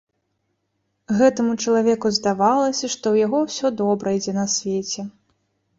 Гэтаму чалавеку здавалася, што ў яго ўсё добра ідзе на свеце.